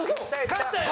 勝ったよ！